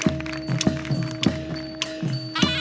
กลับไปที่นี่